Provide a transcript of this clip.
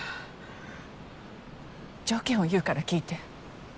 条件を言うから聞いて。